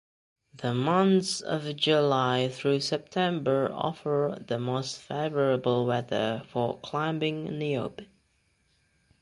The months July through September offer the most favorable weather for climbing Niobe.